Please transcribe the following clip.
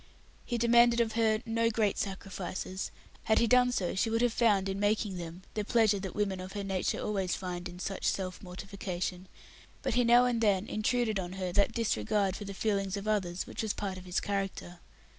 He demanded of her no great sacrifices had he done so she would have found, in making them, the pleasure that women of her nature always find in such self mortification but he now and then intruded on her that disregard for the feeling of others which was part of his character.